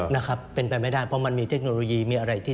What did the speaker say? นะครับเป็นไปไม่ได้เพราะมันมีเทคโนโลยีมีอะไรที่